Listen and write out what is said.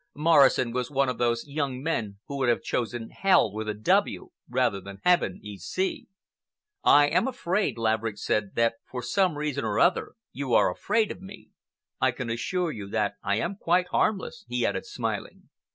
Morrison was one of those young men who would have chosen Hell with a "W" rather than Heaven E. C. "I am afraid," Laverick said, "that for some reason or other you are afraid of me. I can assure you that I am quite harmless," he added smiling.